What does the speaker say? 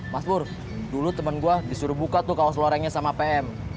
mas bur dulu temen gue disuruh buka tuh kaos lorengnya sama pm